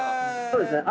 そうですね。